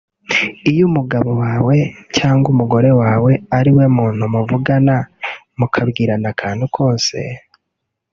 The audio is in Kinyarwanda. Iyo umugabo wawe cyangwa umugore wawe ari we muntu muvugana mukabwirana akantu kose